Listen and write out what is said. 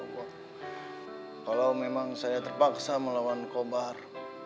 kalau memang saya terpaksa melawan kobar